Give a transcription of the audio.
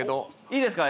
いいですか？